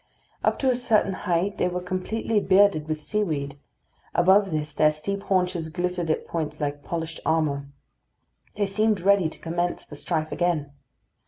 Up to a certain height they were completely bearded with seaweed; above this their steep haunches glittered at points like polished armour. They seemed ready to commence the strife again.